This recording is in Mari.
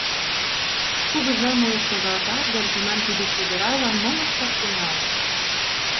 Кугыжам уэш шогалтат гын, тунам тиде чодыралан мом ышташ тӱҥалыт?